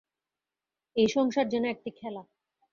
এই সংসার যেন একটি খেলা।